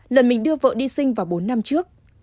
lần mình đưa vợ đi sinh vào bốn năm trước